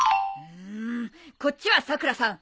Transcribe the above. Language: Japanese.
こっちはさくらさん